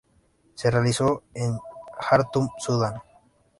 Se realizó en Jartum, Sudán.